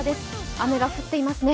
雨が降っていますね。